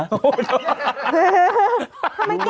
ทำไมเก่งอ่ะ